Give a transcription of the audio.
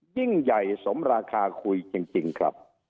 ยิ่งใหญ่สมราคาคุยจริงครับ